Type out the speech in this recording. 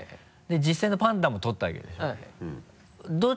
実際のパンダも撮ったわけでしょはい。